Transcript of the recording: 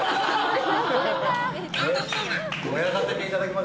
燃やさせていただきます。